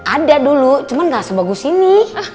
ada dulu cuman gak sebagus ini